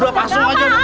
dua pasung aja udah